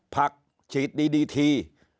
ผักชีดดีดีที